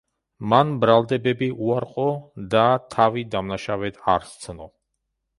მან ბრალდებები უარყო და თავი დამნაშავედ არ ცნო.